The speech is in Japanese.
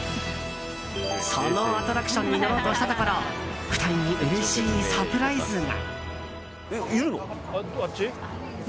そのアトラクションに乗ろうとしたところ２人にうれしいサプライズが。